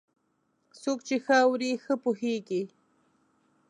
څوک چې ښه اوري، ښه پوهېږي.